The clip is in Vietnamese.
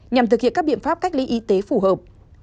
nhằm thực hiện các biện pháp cách ly y tế phù hợp